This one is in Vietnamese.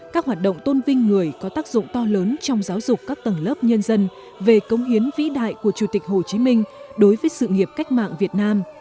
các hoạt động tôn vinh người có tác dụng to lớn trong giáo dục các tầng lớp nhân dân về cống hiến vĩ đại của chủ tịch hồ chí minh đối với sự nghiệp cách mạng việt nam